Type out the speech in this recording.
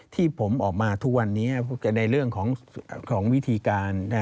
ที่ผมออกมาทุกวันนี้ในเรื่องของวิธีการ